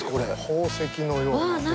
宝石のような。